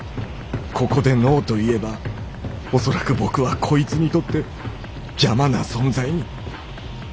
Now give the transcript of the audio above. ここでＮＯと言えば恐らく僕はこいつにとって邪魔な存在に。